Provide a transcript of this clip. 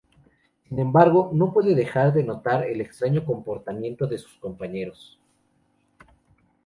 Sin embargo, no puede dejar de notar el extraño comportamiento de sus compañeros.